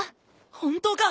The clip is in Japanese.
本当か！